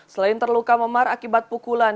selain terluka memar akibat pukulan